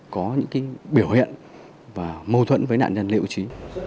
có những biểu hiện và mâu thuẫn với nạn nhân liệu trí